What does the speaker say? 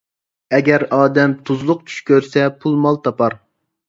ئەگەر ئادەم تۇزلۇق چۈش كۆرسە، پۇل-مال تاپار.